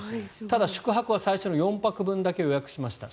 ただ、宿泊は最初の４泊分だけ予約しました。